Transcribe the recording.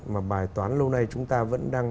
mà bài toán lâu nay chúng ta vẫn đang